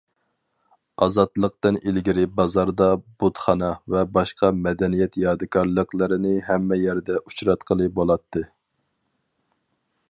ئازادلىقتىن ئىلگىرى بازاردا بۇتخانا ۋە باشقا مەدەنىيەت يادىكارلىقلىرىنى ھەممە يەردە ئۇچراتقىلى بولاتتى.